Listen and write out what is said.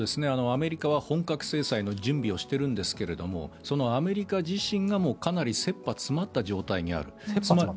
アメリカは本格制裁の準備をしてるんですがそのアメリカ自身がかなり切羽詰まった状態にある。